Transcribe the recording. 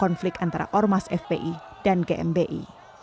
konflik antara ormas fpi dan gmbi